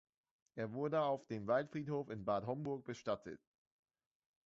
Er wurde auf dem Waldfriedhof in Bad Homburg bestattet.